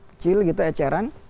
kecil gitu eceran